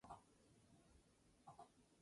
Su canción ganó el primer premio.